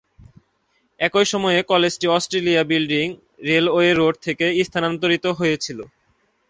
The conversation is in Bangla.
একই সময়ে, কলেজটি অস্ট্রেলিয়া বিল্ডিং, রেলওয়ে রোড থেকে স্থানান্তরিত হয়েছিল।